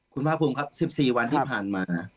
คุณพระพุทธครับ๑๔วันที่ผ่านมา